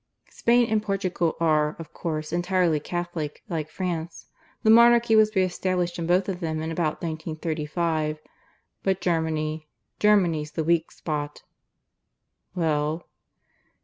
"Spain and Portugal are, of course, entirely Catholic, like France. The Monarchy was re established in both of them in about 1935. But Germany Germany's the weak spot." "Well?"